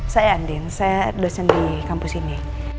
saya andin saya dosen di kampus ini